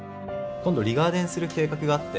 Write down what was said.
今度リガーデンする計画があって。